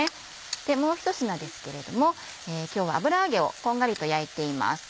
でもうひと品ですけれども今日は油揚げをこんがりと焼いています。